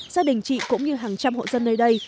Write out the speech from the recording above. gia đình chị cũng như hàng trăm hộ dân nơi đây